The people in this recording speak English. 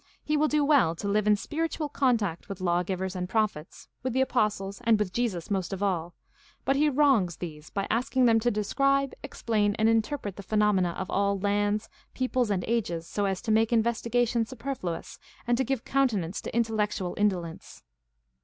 He will do well to live in spiritual contact with lawgivers and prophets, with the apostles, and with Jesus most of all; but he wrongs these by asking them to describe, explain, and interpret the phenomena of all lands, peoples, and ages, so as to make investigation superfluous and to give countenance to intel lectual indolence.